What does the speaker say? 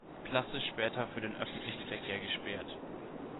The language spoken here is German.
Klasse später für den öffentlichen Verkehr gesperrt.